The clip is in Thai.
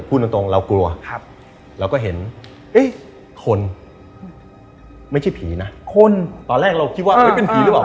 พูดตรงเรากลัวเราก็เห็นคนไม่ใช่ผีนะคนตอนแรกเราคิดว่าเป็นผีหรือเปล่า